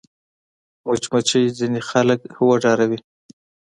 مچمچۍ ځینې خلک وډاروي